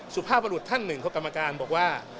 สุภาพบรุษท่านหนึ่งของกรรมการบอกว่า